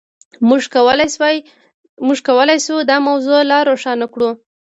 موږ کولای شو دا موضوع لا روښانه کړو.